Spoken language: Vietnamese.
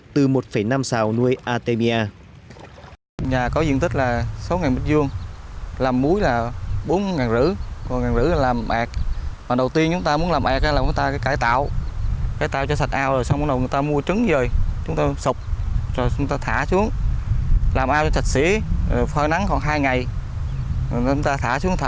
từ một năm xào nuôi artemia